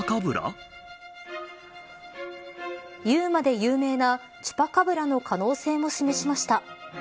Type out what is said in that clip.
ＵＭＡで有名なチュパカブラの可能性も示しました。